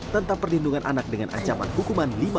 tentang perlindungan anak dengan ancaman hukuman